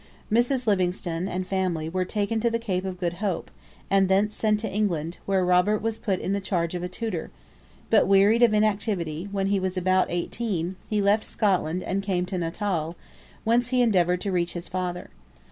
Mrs. Livingstone and family were taken to the Cape of Good Hope, and thence sent to England, where Robert was put in the charge of a tutor; but wearied of inactivity, when he was about eighteen, he left Scotland and came to Natal, whence he endeavoured to reach his father.